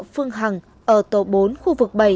phương hằng ở tổ bốn khu vực bảy